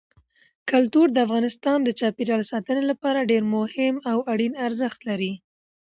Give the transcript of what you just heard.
کلتور د افغانستان د چاپیریال ساتنې لپاره ډېر مهم او اړین ارزښت لري.